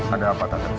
ada apa tante